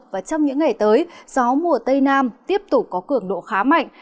và trong những ngày tới gió mùa tây nam tiếp tục có cường độ khá mạnh